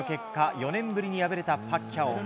４年ぶりに敗れたパッキャオ。